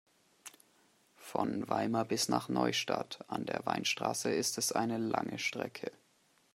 Von Weimar bis nach Neustadt an der Weinstraße ist es eine lange Strecke